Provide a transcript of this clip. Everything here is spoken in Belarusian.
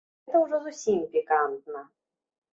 Гэта ўжо зусім пікантна!